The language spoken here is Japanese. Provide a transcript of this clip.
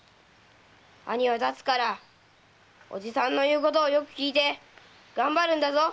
〔兄は発つから叔父さんの言うことをよく聞いてがんばるんだぞ。